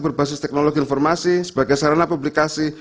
berbasis teknologi informasi sebagai sarana publikasi